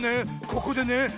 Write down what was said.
ここでね